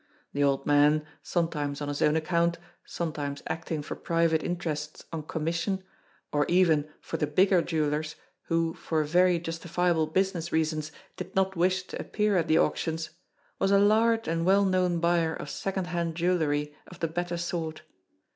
The old man, some times on his own account, sometimes acting for private in terests on commission, or even for the bigger jewellers who for very justifiable business reasons did not wish to appear at the auctions, was a large and well known buyer of second hand jewellery of the better sort.